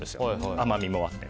甘みもあって。